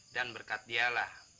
dan berkat dialah